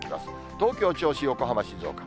東京、銚子、横浜、静岡。